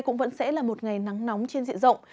cũng vẫn sẽ là một ngày nắng nóng trên diện rộng